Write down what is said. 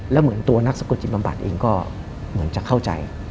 แล้วเหมือนตัวนักสะกดจิตบำบัดเองก็เหมือนจะเข้าใจ